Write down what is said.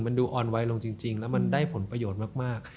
มันดูอ่อนไวลงจริงแล้วมันได้ผลประโยชน์มาก